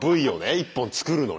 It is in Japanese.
１本作るのに。